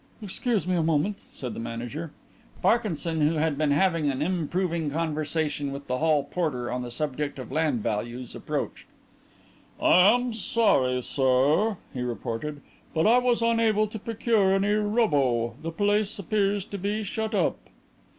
"Excuse me a moment," said the manager. Parkinson, who had been having an improving conversation with the hall porter on the subject of land values, approached. "I am sorry, sir," he reported, "but I was unable to procure any 'Rubbo.' The place appears to be shut up."